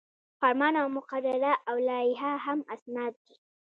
فرمان او مقرره او لایحه هم اسناد دي.